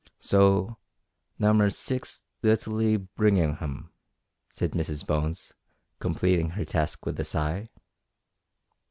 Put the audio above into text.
"So numr sx littlaly bringinghum," said Mrs Bones, completing her task with a sigh.